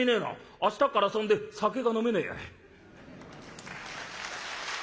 明日っから遊んで酒が飲めねえやい」。